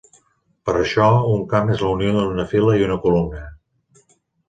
Per això, un camp es la unió d'una fila i una columna.